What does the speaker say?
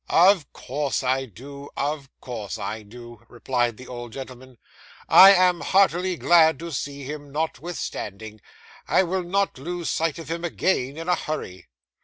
'Of course I do; of course I do,' replied the old gentleman. 'I am heartily glad to see him, notwithstanding. I will not lose sight of him again, in a hurry.